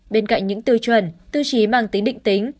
bên cạnh những tiêu chuẩn tiêu chí mang tính định tính